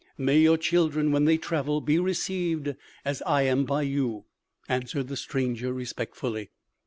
"May your children when they travel, be received as I am by you," answered the stranger respectfully.